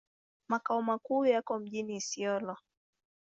Makao makuu yako mjini Isiolo.